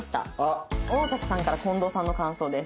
大崎さんからこんどうさんの感想です。